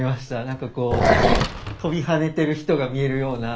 何かこう跳びはねてる人が見えるような。